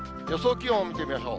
気温を見てみましょう。